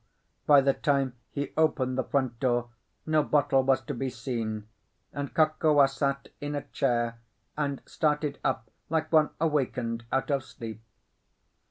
by the time he opened the front door no bottle was to be seen; and Kokua sat in a chair and started up like one awakened out of sleep.